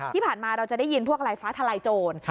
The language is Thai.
ที่ผ่านมาเราจะได้ยินพวกอะไรฟ้าทลายโจร